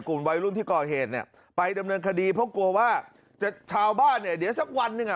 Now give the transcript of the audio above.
กลุ่มวัยรุ่นที่ก่อเหตุเนี่ยไปดำเนินคดีเพราะกลัวว่าจะชาวบ้านเนี่ยเดี๋ยวสักวันหนึ่งอ่ะ